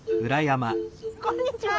こんにちは。